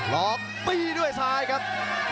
ล็อคปีร้ายด้วยซ้ายครับ